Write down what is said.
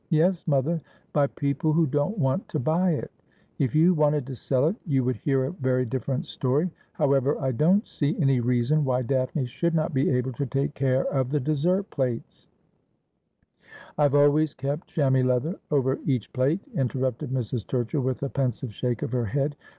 ' Yes, mother, by people who don't want to buy it. If you wanted to sell it, you would hear a very different story. Bow ever, I don't see any reason why Daphne should not be able to take care of the dessert plates '' I have always kept chamois leather over each plate,' in terrupted Mrs. "Turchill, with a pensive shake of her head.